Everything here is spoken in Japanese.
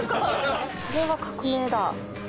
これは革命だ。